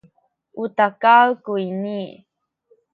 u takal kuyni